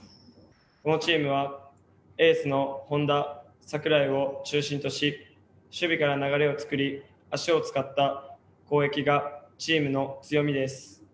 このチームはエースの本田、櫻井を中心とし守備から流れを作り足を使った攻撃がチームの強みです。